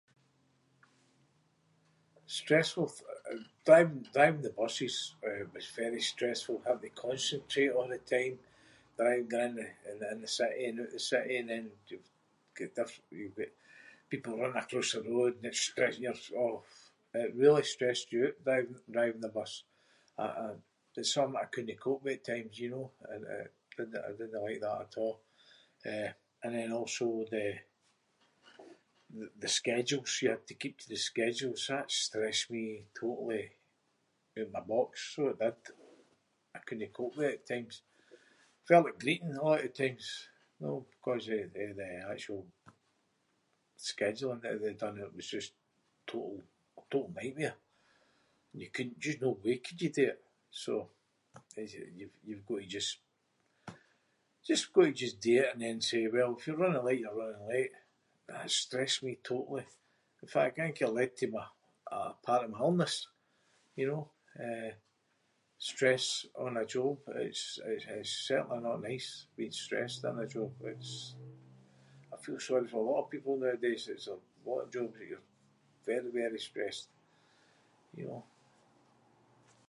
Stressful th- eh, driving- driving the buses, eh, was very stressful. Having to concentrate a’ the time, drivi- going in the- in the city and oot the city and then you’ve got diff- you’ve got people running across the road, [inc]- oh! It really stressed you oot driving- driving the bus. I- I- it’s something that I couldnae cope with at times, you know? And it- didnae- I didnae like that at a'. Eh, and then also the- the schedules. You had to keep to the schedules. That stressed me totally oot my box, so it did. I couldnae cope with it at times. Felt like greeting a lot of the times, know, ‘cause of, eh, the actual scheduling that they done, it was just total- total nightmare. And you c- just no way could you do it. So, [inc] you’ve- you've got to just- just got to just do and then say well if you’re running late, you’re running late. That stressed me totally. In fact I think it led to me- a part of my illness, you know? Eh, stress on a job it’s- i- it’s certainly not nice being stressed in a job. It’s- I feel sorry for a lot people nowadays- it’s a lot of jobs that you’re very, very stressed, you know?